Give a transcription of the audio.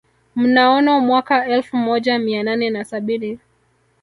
Mnaono mwaka elfu moja mia nane na sabini